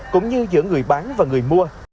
cũng như giữa người bán và người mua